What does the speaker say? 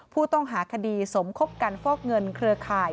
ผู้ต้องหาคดีสมคบกันฟอกเงินเครือข่าย